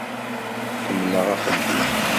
Kemmleɣ axeddim.